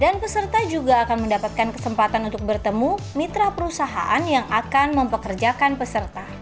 dan peserta juga akan mendapatkan kesempatan untuk bertemu mitra perusahaan yang akan mempekerjakan peserta